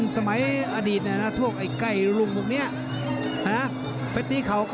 แฟนมวยมอบไม่เห็นอะ